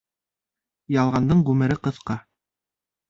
Ялғандың ғүмере ҡыҫҡа.